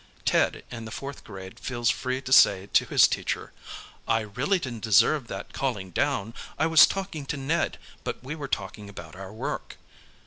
Ted in the fourth grade feels free to say to his teacher, "I really didn't deserve that calling down. I was talking to Ned, but we were talking about our work."